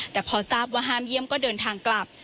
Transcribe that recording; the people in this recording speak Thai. แต่พอทราบว่าห้ามเยี่ยมก็เดินทางกลับ